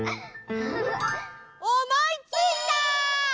おもいついた！